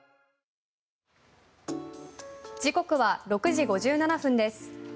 時刻は６時５７分です